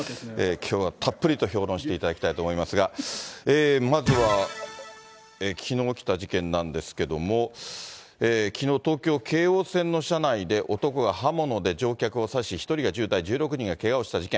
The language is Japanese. きょうはたっぷりと評論していただきたいと思いますが、まずはきのう起きた事件なんですけども、きのう東京・京王線の車内で、男が刃物で乗客を刺し、１人が重体、１６人がけがをした事件。